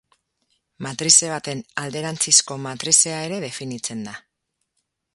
Matrize baten alderantzizko matrizea ere definitzen da.